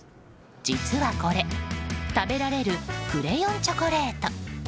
実はこれ食べられるクレヨンチョコレート。